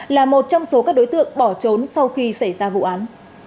là một trong số các đối tượng bỏ trốn sau khi xảy ra vụ án